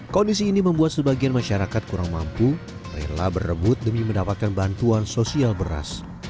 kondisi ini membuat sebagian masyarakat kurang mampu rela berebut demi mendapatkan bantuan sosial beras